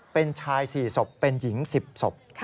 เป็นชาย๔ศพเป็นหญิง๑๐ศพ